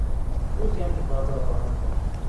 روزی آن کتاب را خواهم خواند.